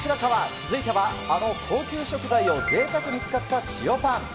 続いてはあの高級食材をぜいたくに使った塩パン。